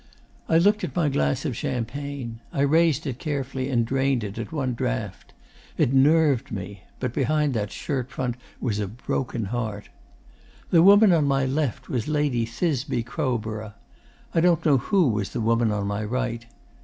'I looked at my glass of champagne. I raised it carefully and drained it at one draught. It nerved me. But behind that shirtfront was a broken heart. 'The woman on my left was Lady Thisbe Crowborough. I don't know who was the woman on my right.